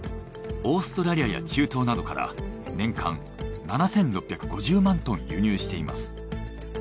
オーストラリアや中東などから年間７，６５０万トン輸入しています。